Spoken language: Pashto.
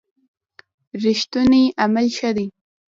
رښتوني عمل ښه دی.